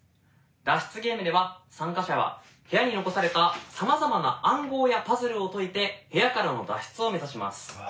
脱出ゲームでは参加者は部屋に残されたさまざまな暗号やパズルを解いて部屋からの脱出を目指します。